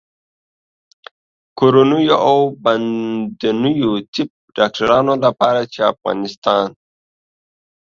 کورنیو او باندنیو طب ډاکټرانو لپاره چې په افغانستان